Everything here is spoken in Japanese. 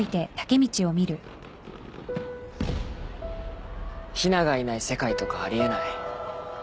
ヒナがいない世界とかあり得ない。